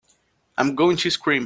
I'm going to scream!